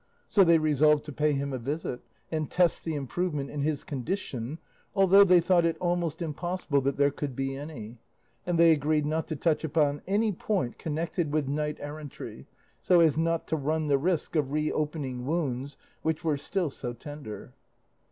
So they resolved to pay him a visit and test the improvement in his condition, although they thought it almost impossible that there could be any; and they agreed not to touch upon any point connected with knight errantry so as not to run the risk of reopening wounds which were still so tender.